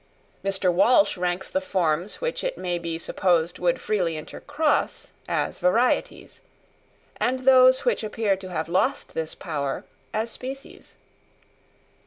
Mr. Walsh ranks the forms which it may be supposed would freely intercross, as varieties; and those which appear to have lost this power, as species.